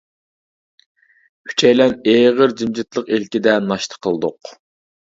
ئۈچەيلەن ئېغىر جىمجىتلىق ئىلكىدە ناشتا قىلدۇق.